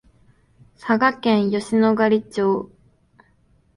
佐賀県吉野ヶ里町